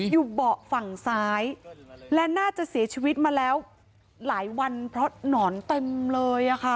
เบาะฝั่งซ้ายและน่าจะเสียชีวิตมาแล้วหลายวันเพราะหนอนเต็มเลยค่ะ